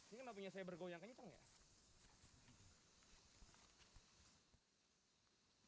ini kenapa saya bergoyang kaya itu enggak